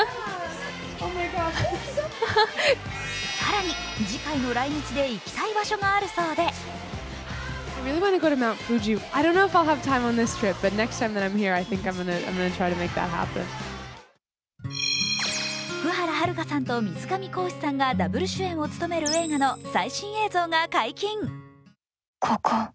更に次回の来日で行きたい場所があるそうで福原遥さんと水上恒司さんがダブル主演を務める映画の最新映像が解禁。